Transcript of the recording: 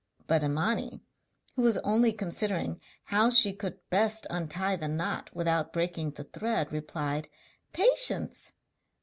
But Imani, who was only considering how she could best untie the knot without breaking the thread, replied: 'Patience!'